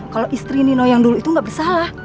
kalau istri nino yang dulu itu nggak bersalah